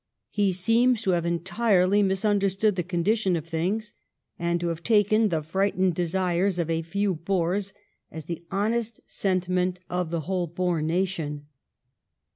" He seems to have entirely misunderstood the condition of things, and to have taken the frightened desires of a few Boers as the honest sentiment of the whole Boer nation.